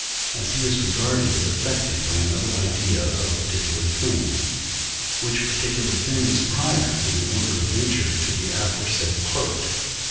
as he is regarded as affected by another idea of a particular thing, which particular thing is prior in the order of nature to the aforesaid part (II.